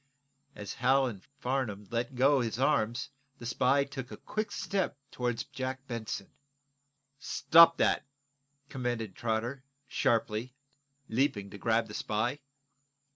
As Hal and Farnum let go his arms the spy took a quick step toward Jack Benson. "Stop that!" commanded Trotter, sharply, leaping to grab the spy.